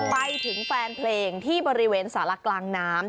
ไปถึงแฟนเพลงที่บริเวณสารกลางน้ำ